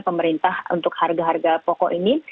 pemerintah untuk harga harga pokok ini